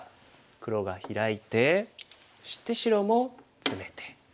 黒がヒラいてそして白もツメて。